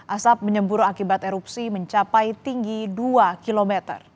asap menyembur akibat erupsi mencapai tinggi dua km